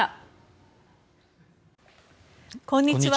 こんにちは。